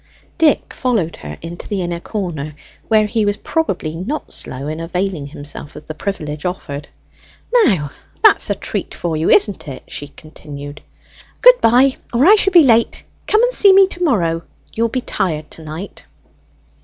Dick followed her into the inner corner, where he was probably not slow in availing himself of the privilege offered. "Now that's a treat for you, isn't it?" she continued. "Good bye, or I shall be late. Come and see me to morrow: you'll be tired to night."